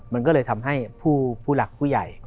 มันก็เลยทำให้ผู้หลักผู้ใหญ่